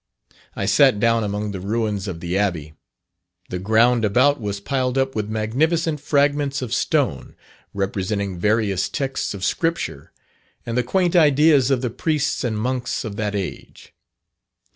I sat down among the ruins of the Abbey. The ground about was piled up with magnificent fragments of stone, representing various texts of Scripture, and the quaint ideas of the priests and monks of that age.